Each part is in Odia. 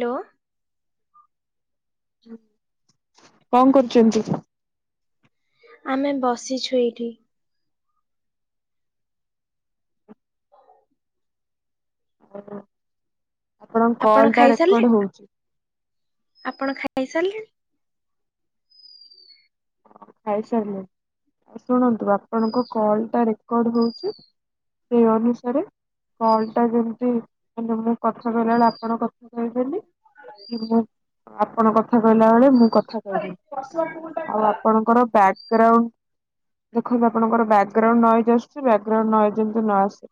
ଲୋ କଣ କରୁଚନ୍ତି? ଆମେ ବସିଛୁ ଏଇଠି। [unintelligible] ଆପଣଙ୍କ କଲ୍ ଆପଣ ଟା ରେକର୍ଡ ଖାଇସାରଲେ? ହଉଛି ଆପଣ ଖାଇସାରଲେଣି? ଖାଇସାଇଲିଣି। ଶୁଣନ୍ତୁ ଆପଣଙ୍କ କଲ ଟା ରେକର୍ଡ ହୋଉଚି। ସେ ଅନୁସାରେ କଲ ଟା ଯେମତି କିନ୍ତୁ ମୁଁ କଥା କହିଲାବେଳେ ଆପଣ କଥା କହିବେନି। ମୁଁ ଆପଣ କଥା କହିଲା ବେଳେ ମୁଁ କଥା କହିବି ନି। ଆଉ ଆପ ଆପଣଙ୍କର ବ୍ୟାଗ୍ରାଉଣ୍ଡ ଦେଖନ୍ତୁ ଆପଣଙ୍କର ବ୍ୟାଗ୍ରାଉଣ୍ଡ ନଏଜ ଆସଚି। ବ୍ୟାଗ୍ରାଉଣ୍ଡ ନଏଜ ଯେମିତି ନ ଆସେ।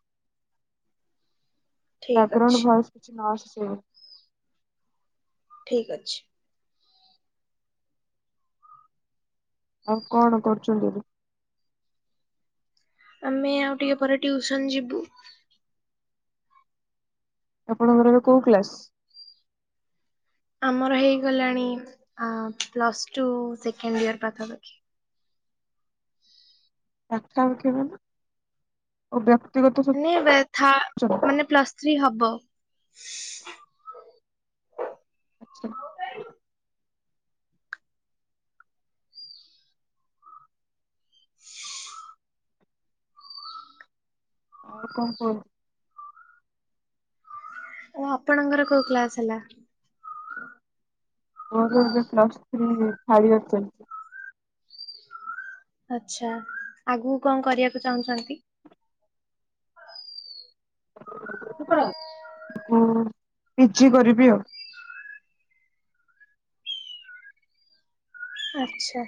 ଠିକ ବ୍ୟାଗ୍ରାଉଣ୍ଡ ଅଛି ଭୟସ କିଛି ନ ଆସିବ। ଠିକ ଅଛି। ଆଉ କଣ କରୁଚନ୍ତି ଏବେ? ଆମେ ଆଉ ଟିକେ ପରେ ଟ୍ୟୁସନ୍ ଯିବୁ। ଆପଣଙ୍କର ଏବେ କୋଉ କ୍ଲାସ? ଆମର ହେଇଗଲାଣି ଆ ପ୍ଲସ୍ ଟୁ ସେକେଣ୍ଡ ଇୟର ପାଖାପାଖି ଏକଟାଉ କେବେ [unintelligible] ଓ ବ୍ୟକ୍ତିଗତ ନେ ବେ ଥା ସୂଚନା ମାନେ ପ୍ଲସ୍ ଥ୍ରୀ ହବ। ହ ଆଉ କଣ କୁହ? ଆ ଆପଣଙ୍କର କୋଉ କ୍ଲାସ ହେଲା? ମୋର ଏବେ ପ୍ଲସ୍ ଥ୍ରୀ ଥାଡ ଇଅର ଚାଲିଚି। ଆଚ୍ଛା, ଆଗକୁ କଣ କରିବାକୁ ଚାହୁଁଛନ୍ତି? ପିଜି କରିବି ଆଉ। ଆଚ୍ଛା।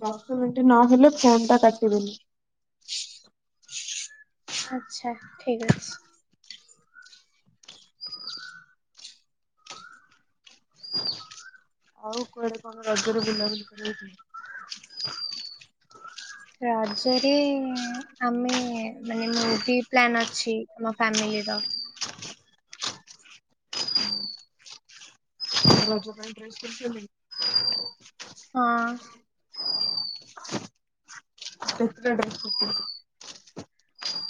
ଦଶ ମିନିଟ୍ ମିନିଟ ନହେଲେ ଫୋନ ଫୋନଟା ଟା କାଟିବି। କାଟିବେନି। ଆଚ୍ଛା ଠିକ ଅଛି। ହ ଆଉ କୁଆଡେ କଣ ରଜରେ ବୁଲାବୁଲି କରିବେ? ରଜରେ ଆମେ ମାନେ ମୁଭି ପ୍ଲନ୍ ଅଛି। ଆମ ଫ୍ୟାମିଲିର। ରଜ ପାଇଁ ଡ୍ରେସ୍ କରିଛନ୍ତି? ହଁ। କେତେଟା [unintelligible]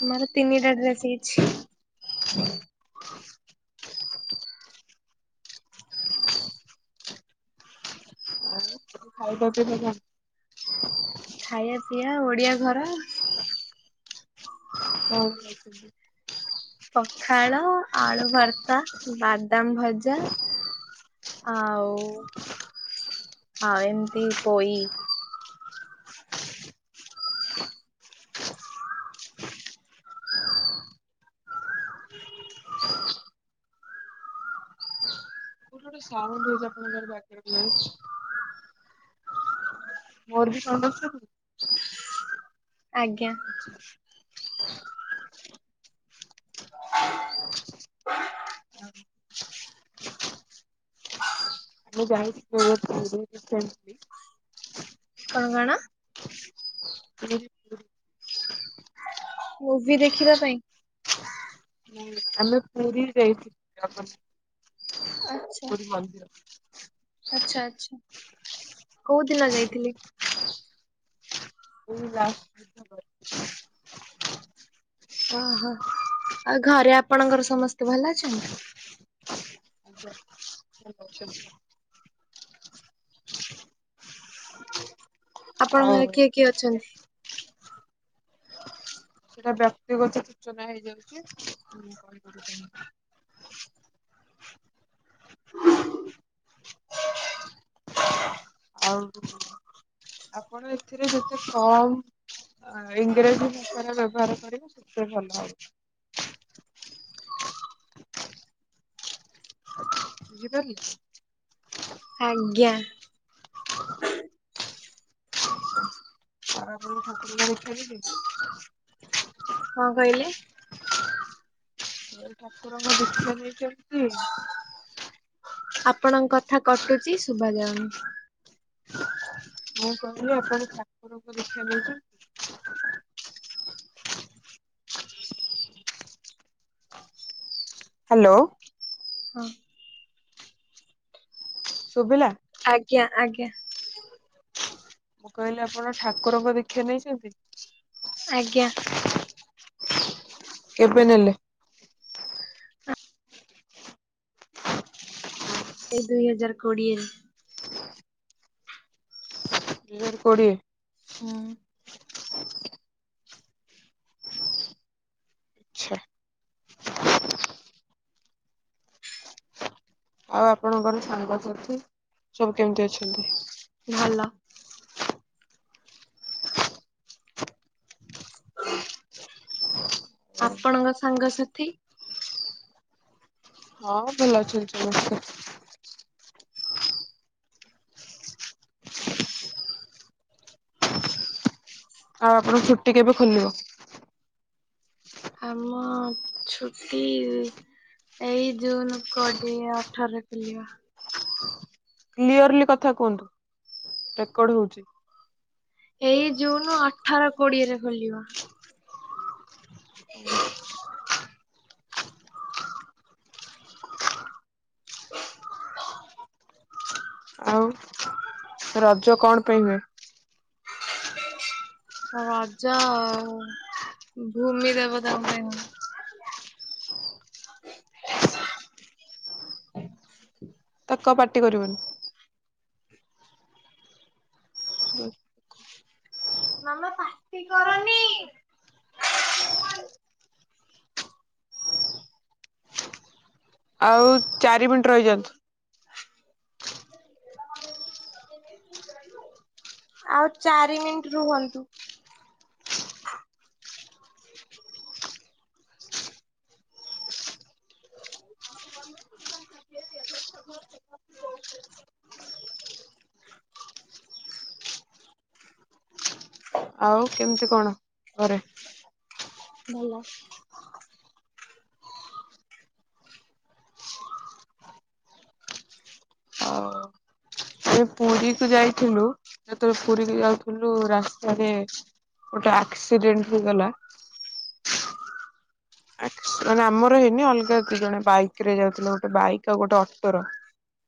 ମାନେ ତିନିଟା ଡ୍ରେସ୍ ହେଇଛି। ଆଉ ଖାଇବା ଭ [unintelligible] ଖାଇବା ପିଇବା ଓଡିଆ ଘର ହଉ। ପଖାଳ, ଆଳୁ ଭର୍ତ୍ତା, ବାଦାମ ଭଜା ଆଉ ଆଉ ଏମିତି ପୋଇ କୋଉଠି ଗୋଟେ ସାଉଣ୍ଡ ହୋଉଛି ଆପଣଙ୍କ ବ୍ୟାକଗ୍ରାଉଣ୍ଡରେ। ମୋର ବି ସମ [unintelligible] ଆଜ୍ଞା। ଆ ଆମେ ଯାଇ ବ୍ୟସ୍ ରସେଣ୍ଟ [unintelligible] କଣ କଣ? ପୁରୀ ପୁରୀ ମୁଭି ଦେଖିବା ପାଇଁ ଆମେ ପୁରୀ ଯାଇଥିଲୁ [unintelligible] ଆଚ୍ଛା ପୁରୀ ମନ୍ଦିର ଆଚ୍ଛା ଆଚ୍ଛା। କୋଉ ଦିନ ଯାଇଥିଲେ? ହଁ ପୁରୀ ଯାଇ ଓହୋ ଆଉ ଘରେ ଆପଣଙ୍କର ସମସ୍ତେ ଭଲ ଅଛନ୍ତି? ହଛ [inaudible] ଆପଣଙ୍କ ଆଉ ଘରେ କିଏ କିଏ ଅଛନ୍ତି? ସେଟା ବ୍ୟକ୍ତିଗତ ସୂଚନା ହେଇଯାଉଛି। ଆଉ ଆପଣ ଏଥିରେ ଯେତେ କମ୍ ଇଂରାଜୀ ଭାଷାରେ ବ୍ୟବହାର କରିବ, ସେତେ ଭଲ ହବ। ବୁଝିପାରିଲୁ? ଆଜ୍ଞା। ତାରା ତାରେଣି ଠାକୁରଙ୍କୁ ଦେଖିଆକୁ [unintelligible] କଣ କହିଲେ? ଏ ଠାକୁରଙ୍କ ଦୁଃଖ ଦେଇଚନ୍ତି। ଆପଣଙ୍କ କଥା କଟୁଛି, ଶୁଭାଯାଉ ମୁଁ କହିଲି ଆପଣ ଠାକୁରଙ୍କ ଦୀକ୍ଷା ନେଇଛ ହ୍ୟାଲୋ। ହଁ। ଶୁଭିଲା? ଆଜ୍ଞା ଆଜ୍ଞା। ମୁଁ କହିଲି ଆପଣ ଠାକୁରଙ୍କ ଦୀକ୍ଷା ନେଇଛନ୍ତି? ଆଜ୍ଞା। କେବେ ନେଲେ? ସେ ଦୁଇ ହଜାର କୋଡିଏ ରେ। ଦି ହଜାର କୋଡିଏ। ହୁଁ। ଆଚ୍ଛା। ଆଉ ଆପଣଙ୍କର ସାଙ୍ଗସାଥି, ସବୁ କେମିତି ଅଛନ୍ତି? ଭଲ। ହ ଆପଣଙ୍କ ସାଙ୍ଗସାଥି? ହଁ ଭଲ ଅଛନ୍ତି ସମସ୍ତେ। ଆଉ ଆପଣ ଛୁଟି କେବେ ଖୋଲିବ? ଆମ ଛୁଟି ଏଇ ଜୁନ୍ କୋଡିଏ ଅଠରରେ ଖୋଲିବ। କ୍ଲିୟରଲି କଥା କୁହନ୍ତୁ। ରେକର୍ଡ ହଉଛି। ଏଇ ଜୁନ୍ ଅଠର କୋଡିଏରେ ଖୋଲିବ। ହଁ। ଆଉ ରଜ କଣ ପାଇଁ ହୁଏ? ରଜ ଭୂମି ଦେବତାଙ୍କ ପାଇଁ ହୁଏ। ତାକୁ କହ ପାଟି କରିବନି। ମାମା ପାଟି କରନି। ଆଉ ଚାରି ମିନିଟ୍ ରହିଯାଆନ୍ତୁ। ଆଉ ଚାରି ମିନିଟ ରୁହନ୍ତୁ। ଆଉ କେମିତି କଣ ଘରେ? ଭଲ। ପୁରୀକୁ ଯାଇଥିଲୁ, ଯେତେବେଳେ ପୁରୀକୁ ଯାଉଥିଲୁ ରାସ୍ତାରେ ଗୋଟେ ଆକ୍ସିଡେଣ୍ଟ ହେଇଗଲା। ମାନେ ଆମର ହେଇନି, ଅଲଗା ଜଣେ ବାଇକ ରେ ଯାଉଥିଲେ ଗୋଟେ ବାଇକ୍ ଆଉ ଗୋଟେ ଅଟୋର।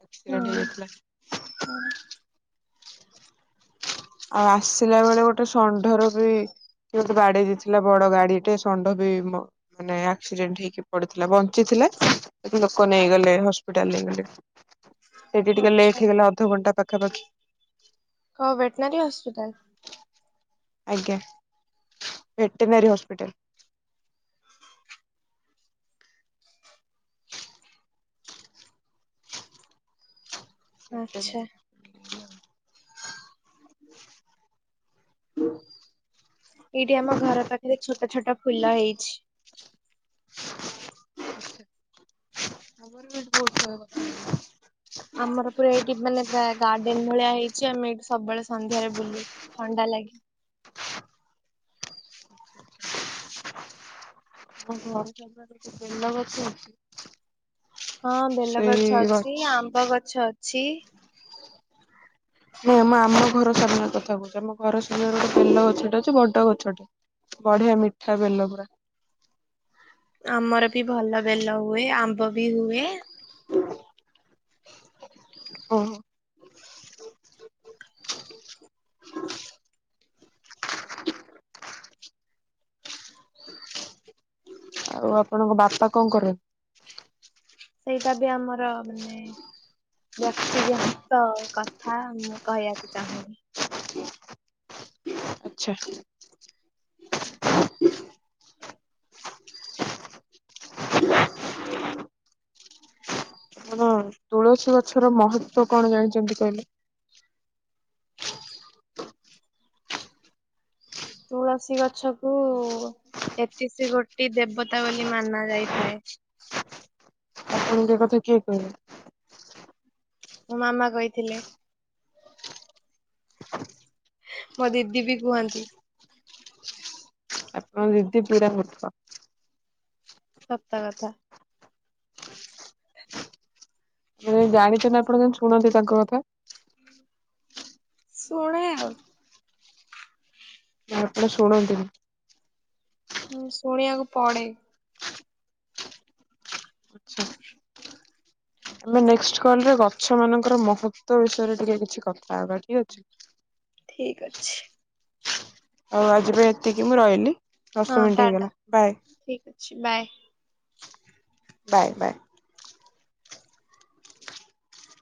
ଆକ୍ସିଡେଣ୍ଟ ହୁଁ। ହେଇଯାଇଥିଲା। [unintelligible] ଆଉ ଆସିଲା ବେଳେ ଗୋଟେ ଷଣ୍ଢର ବି କିଏ ଗୋଟେ ବାଡେଇ ଦେଇଥିଲା ବଡ ଗାଡି ଏଟେ ଷଣ୍ଢ ବି ମ ମାନେ ଆକ୍ସିଡେଣ୍ଟ ହେଇକି ପଡିଥିଲା। ବଞ୍ଚିଥିଲା ସେଠୁ ଲୋକ ନେଇଗଲେ ହସ୍ପିଟାଲ ନେଇଗଲେ। ସେଠି ଟିକେ ଆଚ୍ଛା ଲେଟ୍ ହେଇଗଲା ଅଧଘଣ୍ଟା ପାଖାପାଖି। କ ଭେଟନାରୀ ହସ୍ପିଟାଲ? ଆଜ୍ଞା ଭେଟିନାରୀ ହସ୍ପିଟାଲ। ଟୋଟାଲି ଆଚ୍ଛା ନୁହେଁ। ଏଇଠି ଆମ ଘର ପାଖରେ ଛୋଟ ଛୋଟ ଫୁଲ ହେଇଛି। ଆମର ବି ଅଛ ବୋହୁତ ସାରା ଗଛ। ଆମର ପୁରା ଏଇଠି ମାନେ ଥା ଗାର୍ଡେନ ଭଳିଆ ହେଇଛି ଆମେ ଏଇଠି ସବୁବେଳେ ସନ୍ଧ୍ୟାରେ ବୁଲୁ। ଥଣ୍ଡା ଲାଗେ। ଆମ ଘର ସାମ୍ନାରେ ବେଲ ଗଛ ଅଛି। ହଁ ସେଇ ବେଲଗଛ ଗଛ ଅଛି ଆମ୍ବ ଗଛ ଅଛି। ନାଇଁ ମୁଁ ଆମ ଘର ସାମ୍ନା କଥା କହୁଛି ଆମ ଘର ସାମ୍ନାରେ ଗୋଟେ ବେଲ ଗଛଟେ ଅଛି ବଡ ଗଛଟେ। ବଢିଆ ମିଠା ବେଲ ପୁରା। ଆମର ବି ଭଲ ବେଲ ହୁଏ ଆମ୍ବ ବି ହୁଏ। ଓ [unintelligible] ଆଉ ଆପଣଙ୍କ ବାପା କଣ କରନ୍ତି? ସେଇଟା ବି ଆମର ମାନେ ବ୍ୟକ୍ତିଗତ କଥା ମୁଁ କହିବାକୁ ଚାହୁଁନି। ଆଚ୍ଛା [inaudible] ଆପଣ ତୁଳସୀ ଗଛର ମହତ୍ୱ କଣ ଜାଣିଛନ୍ତି କହିଲେ? [unintelligible] ତୁଳସୀ ଗଛକୁ ତେତିଶିି କୋଟି ଦେବତା ବୋଲି ମାନା ଯାଇଥାଏ। ଆପଣଙ୍କୁ ଏ କଥା କିଏ କହିଲା? ମୋ ମାମା କହିଥିଲେ। ମୋ ଦିଦି ବି କୁହନ୍ତି। ଆପଣଙ୍କ ଦିଦି ପୁରା ମୂର୍ଖ। ସତ କଥା ମାନେ ଜାଣିଛନ୍ତି ଆପଣ କେମିତି ଶୁଣନ୍ତି ତାଙ୍କ କଥା? ଶୁଣେ ଆଉ। ନା ଆପଣ ଶୁଣନ୍ତିନି। ହୁଁ ଶୁଣିବାକୁ ପଡେ। ଆଚ୍ଛା ଆମେ ନେଷ୍ଟ କଲ୍ ରେ ଗଛ ମାନଙ୍କର ମହତ୍ତ୍ୱ ବିଷୟରେ ଟିକେ କିଛି କଥା ହବା ଠିକ ଅଛି। ଠିକ୍ ଅଛି। ଆଉ ଆଜି ପାଇଁ ଏତିକି ମୁଁ ରହିଲି। ଦଶ ହଁ ମିନିଟ ଟା ଟା ହେଇଗଲା ବାଏ ଠିକ୍ ଅଛି ବାଏ। Bye bye.